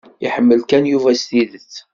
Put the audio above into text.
Iḥemmel-iken Yuba s tidet.